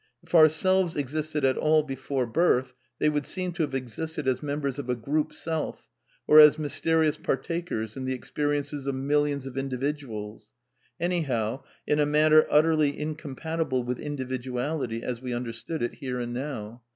If our selves existed at all before birth, they would seem to have existed as members of a group self, or as mysterious partakers in the experiences of millions of individuals; anyhow in a manner utterly incompatible with individuality as we un derstood it here and now.